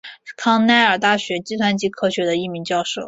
康奈尔大学计算机科学的一名教授。